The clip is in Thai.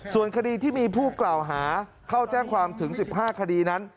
ส่วนคดีที่มีผู้กล่าวหาเข้าแจ้งความถึง๑๕คดีนั้น